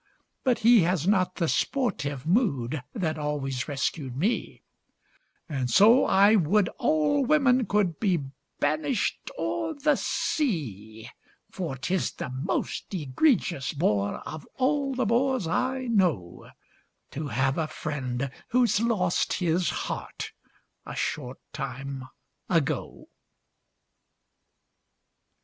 But he has not the sportive mood That always rescued me, And so I would all women could Be banished o'er the sea. For 'tis the most egregious bore, Of all the bores I know, To have a friend who's lost his heart A short time ago.